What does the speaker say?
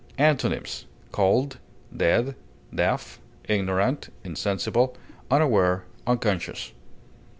Antonyms: cold, dead, deaf, ignorant, insensible, unaware, unconscious.